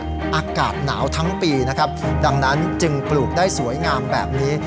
อากาศหนาวทั้งปีนะครับดังนั้นจึงปลูกได้สวยงามแบบนี้